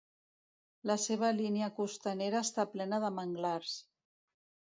La seva línia costanera està plena de manglars.